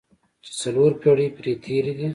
چې څلور پېړۍ پرې تېرې دي.